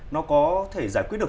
nó có thể giải quyết được